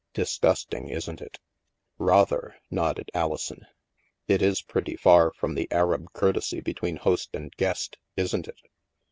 Disgusting, isn't it? "" Rather," nodded Alison. " It is pretty far from the Arab courtesy between host and guest, isn't it?"